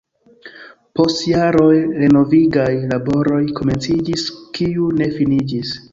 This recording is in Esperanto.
Post jaroj renovigaj laboroj komenciĝis, kiu ne finiĝis.